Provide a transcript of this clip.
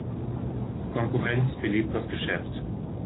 Konkurrenz belebt das Geschäft.